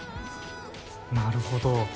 なるほど。